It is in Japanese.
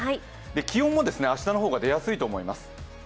気温も明日の方が出やすいと思います。